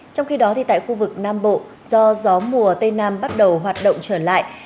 trong khi đó tại khu vực nam bộ do gió mùa tây nam bắt đầu hoạt động trở lại